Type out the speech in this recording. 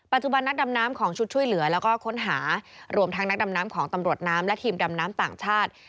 ปัจจุบันนักดำน้ำของชุดช่วยเหลือแล้วก็ค้นหารวมทั้งนักดำน้ำของตำรวจน้ำและทีมดำน้ำต่างชาติ